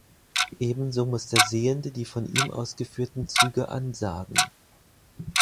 Ebenso muss der Sehende die von ihm ausgeführten Züge ansagen.